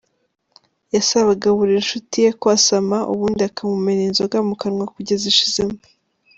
Yasabaga buri nshuti ye kwasama ubundi akamumena inzoga mu kanwa kugeza ishizemo.